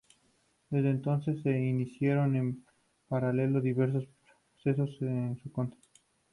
Desde entonces se iniciaron en paralelo diversos procesos en su contra.